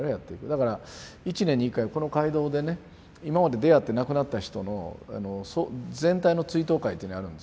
だから一年に一回この会堂でね今まで出会って亡くなった人の全体の追悼会っていうのやるんですよ。